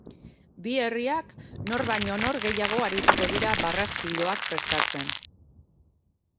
Bi herriak nor baino nor gehiago arituko dira barraskiloak prestatzen.